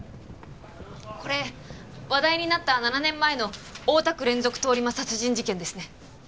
これ話題になった７年前の大田区連続通り魔殺人事件ですね。